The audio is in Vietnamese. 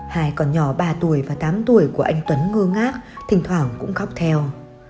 hai con nhỏ ba tuổi và tám tuổi của anh tuấn ngơ ngác thỉnh thoảng cũng khóc theo